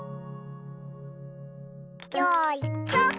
よいしょ。